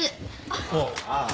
ああ。